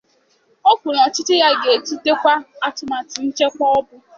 O kwuru na ọchịchị ya ga-etutekwa atụmatụ nchekwa bụ